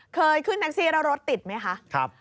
เคยขึ้นแท็กซี่แล้วรถติดไหมคะ